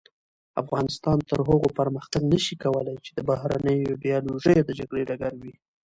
افغانستان تر هغو پرمختګ نشي کولای چې د بهرنیو ایډیالوژیو د جګړې ډګر وي.